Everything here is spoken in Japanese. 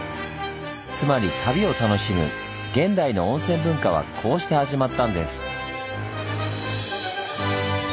つまり旅を楽しむ現代の温泉文化はこうして始まったんです。